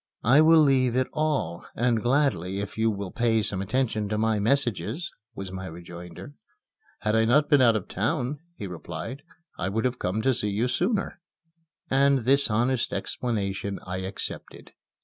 "I will leave it all, and gladly, if you will pay some attention to my messages," was my rejoinder. "Had I not been out of town," he replied, "I would have come to see you sooner." And this honest explanation I accepted.